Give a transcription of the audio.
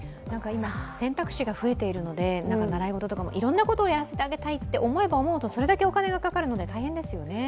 今、選択肢が増えているので、習い事などもいろんなことをやらせてあげたいと思えば思うほどそれだけお金がかかるので、大変ですよね。